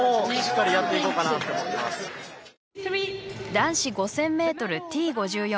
男子５０００ｍ、Ｔ５４